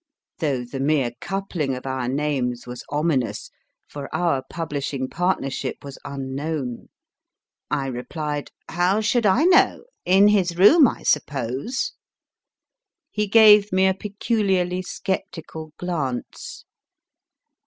? though the mere coupling of our names was ominous, for our pub lishing partnership was un known. I replied, How should I know ? In his room, I suppose. He gave me a peculiar sceptical glance.